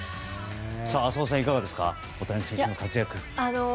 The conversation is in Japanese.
浅尾さん、いかがですか大谷選手の活躍。